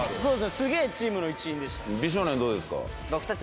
すげえチームの一員でした。